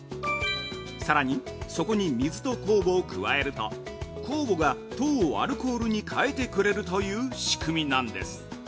さらに、そこに水と酵母を加えると酵母が糖をアルコールに変えてくれるという仕組みなんです。